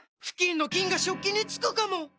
フキンの菌が食器につくかも⁉